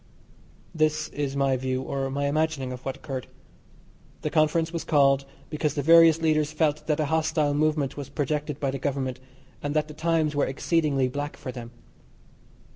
This is my view, or my imagining, of what occurred. The conference was called because the various leaders felt that a hostile movement was projected by the Government, and that the times were exceedingly black for them.